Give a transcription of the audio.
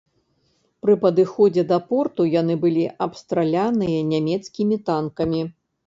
Пры падыходзе да порту, яны былі абстраляныя нямецкімі танкамі.